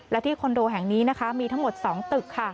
และที่คอนโดแห่งนี้นะคะมีทั้งหมด๒ตึกค่ะ